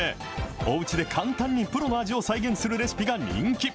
おうちで簡単にプロの味を再現するレシピが人気。